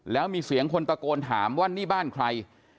แล้วมีเสียงคนตะโกนถามว่านี่บ้านใคร